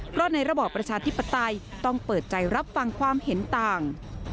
เพราะในระบอบประชาธิปไตยต้องเปิดใจรับฟังความเห็นต่าง